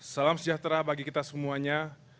salam sejahtera bagi kita semuanya